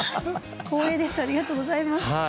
光栄ですありがとうございます。